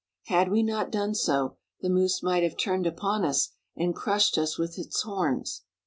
Had we not done so, the moose might have turned upon us and crushed us with its horns.